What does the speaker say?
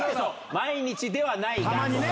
毎日ではないが。